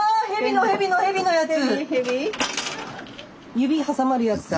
指挟まるやつだ。